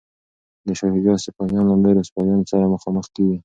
د شاه شجاع سپایان له نورو سپایانو سره مخامخ کیږي.